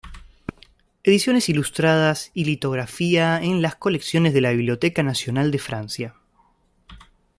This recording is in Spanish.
Ediciones ilustradas y Litografía en las colecciones de la Biblioteca Nacional de Francia.